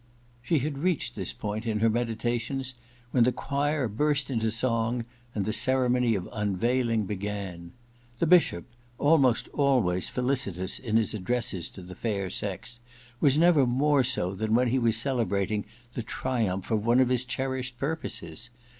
She had reached this point in her meditations when the choir burst into song and the ceremony of the unveiling began. The Bishop, almost always felicitous in his addresses to the fair sex, was never more so than when he was celebrating the triumph of one of his cherished purposes.